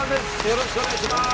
よろしくお願いします